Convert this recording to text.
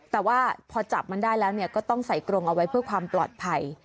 แต่ว่าพอจับมันได้แล้วก็ต้องใส่กรงเอาไว้เพื่อความปลอดภัย